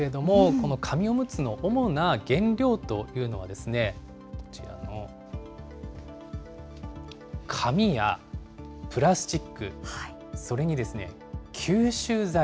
この紙おむつの主な原料というのは、こちらの紙やプラスチック、それにですね、吸収材。